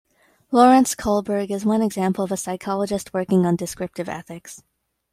Lawrence Kohlberg is one example of a psychologist working on descriptive ethics.